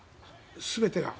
全てが。